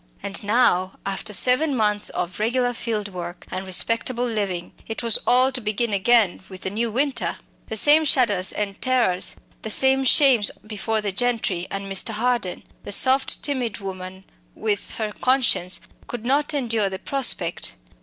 And now, after seven months of regular field work and respectable living, it was all to begin again with the new winter! The same shudders and terrors, the same shames before the gentry and Mr. Harden! the soft, timid woman with her conscience could not endure the prospect.